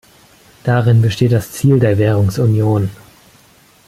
Darin besteht das Ziel der Währungsunion.